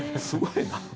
すごいな。